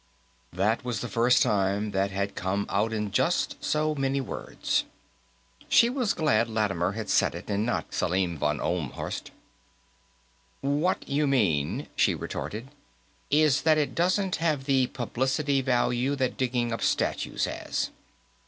That was the first time that had come out in just so many words. She was glad Lattimer had said it and not Selim von Ohlmhorst. "What you mean," she retorted, "is that it doesn't have the publicity value that digging up statues has."